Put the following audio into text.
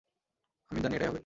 আমি জানি এটাই হবে।